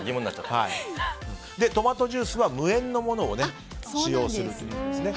トマトジュースは無塩のものを使用するということですね。